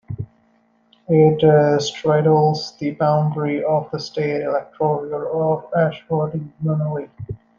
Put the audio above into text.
It straddles the boundary of the state electorates of Ashford and Unley.